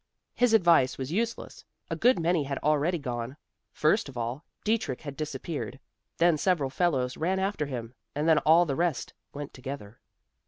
His advice was useless. A good many had already gone. First of all, Dietrich had disappeared; then several fellows ran after him, and then all the rest went together.